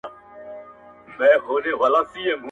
زه مرکز د دایرې یم هم اجزاء هم کل عیان یم.!